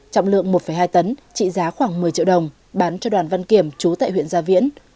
trọng lượng một hai tấn trị giá khoảng một mươi triệu đồng bán cho đoàn văn kiểm chú tại huyện gia viễn